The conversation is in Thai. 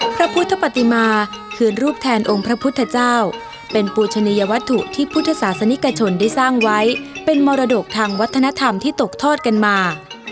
พระพุทธปฏิมาคือรูปแทนองค์พระพุทธเจ้าเป็นปูชนียวัตถุที่พุทธศาสนิกชนได้สร้างไว้เป็นมรดกทางวัฒนธรรมที่ตกทอดกันมา